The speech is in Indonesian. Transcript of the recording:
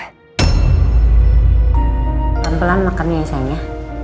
pelan pelan makan ya sayangnya